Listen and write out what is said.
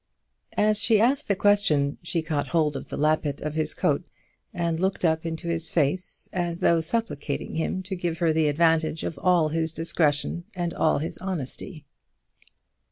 As she asked the question she caught hold of the lappet of his coat, and looked up into his face as though supplicating him to give her the advantage of all his discretion and all his honesty.